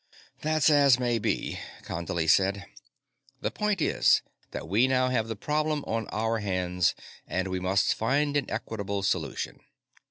"That's as may be," Condley said. "The point is that we now have the problem on our hands, and we must find an equitable solution."